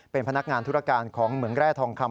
เป็นพนักงานธุรการของเหมืองแร่ทองคำ